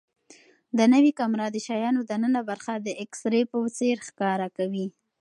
دا نوې کامره د شیانو دننه برخه د ایکس ری په څېر ښکاره کوي.